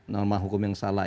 norma hukum yang salah